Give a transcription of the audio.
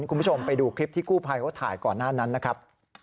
คุณผู้ชมไปดูคลิปที่กู้ภัยเขาถ่ายก่อนหน้านั้นนะครับ